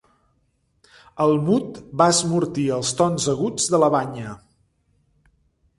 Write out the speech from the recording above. El mut va esmortir els tons aguts de la banya.